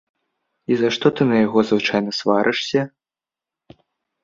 І за што ты на яго звычайна сварышся?